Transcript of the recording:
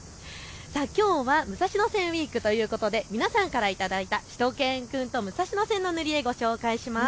きょうは武蔵野線ウイークということで皆さんから頂いたしゅと犬くんと武蔵野線の塗り絵、ご紹介します。